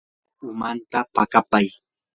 umanta paqapay.